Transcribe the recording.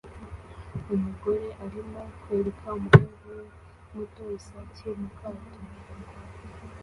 Umugore arimo kwereka umuhungu we muto isake mu kato